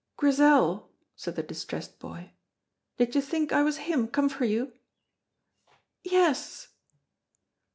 "Grizel," said the distressed boy, "did you think I was him come for you?" "Yes!"